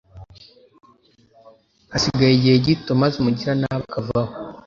Hasigaye igihe gito maze umugiranabi akavaho